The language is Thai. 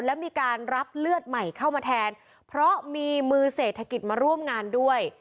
และมีการรับเลือดใหม่เข้ามาแทนเพราะมีมือเศรษฐกิจมาร่วมงานด้วย